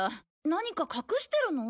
何か隠してるの？